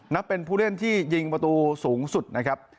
นับเป็นผู้เล่นที่ยิงประตูสูงสุดนะครับ